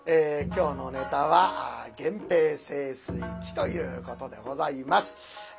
今日のネタは「源平盛衰記」ということでございます。